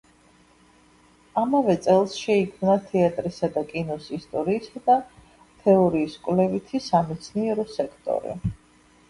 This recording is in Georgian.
ამავე წელს შეიქმნა თეატრისა და კინოს ისტორიისა და თეორიის კვლევითი სამეცნიერო სექტორი.